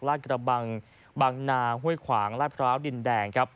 กระบังบางนาห้วยขวางลาดพร้าวดินแดงครับ